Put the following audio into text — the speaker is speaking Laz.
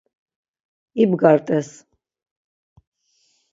İbgart̆es.